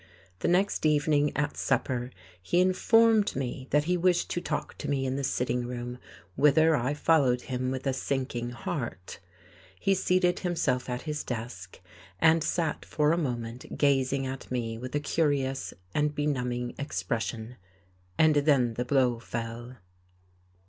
The next evening at supper he informed me that he wished to talk to me in the sitting room, whither I followed him with a sinking heart. He seated himself at his desk, and sat for a moment gazing at me with a curious and benumbing expression, and then the blow fell.